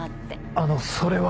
あのそれは。